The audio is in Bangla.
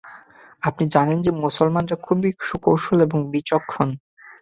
আপনি জানেন যে, মুসলমানরা খুবই সুকৌশলী এবং বিচক্ষণ।